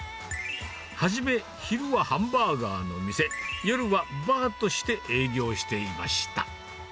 初め、昼はハンバーガーの店、夜はバーとして営業していました。